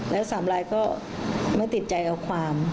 แล้วสามลายก็ไม่ติดใจกับความ